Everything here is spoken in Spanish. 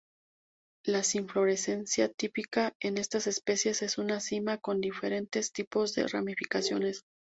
La inflorescencia típica en estas especies es una cima con diferentes tipos de ramificaciones.